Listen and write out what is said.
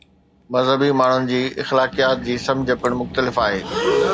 مذهبي ماڻهن جي اخلاقيات جي سمجھ پڻ مختلف آهي.